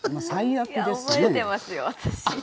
覚えてますよ私。